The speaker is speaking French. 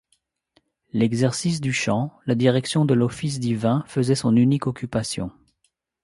L'exercice du chant, la direction de l'office divin, faisaient son unique occupation.